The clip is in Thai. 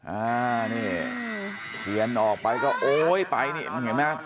อ่านี่เทียนออกไปก็โอ๊ยไปนี่เห็นไหม